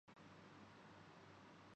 مرکزی کردار ایک پاگل خانے میں ہے۔